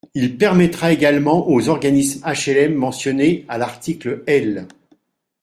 Il permettra également aux organismes HLM mentionnés à l’article L.